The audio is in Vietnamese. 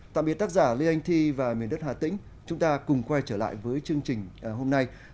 tạm biệt tác giả lê anh thi và miền đất hà tĩnh chúng ta cùng quay trở lại với chương trình hôm nay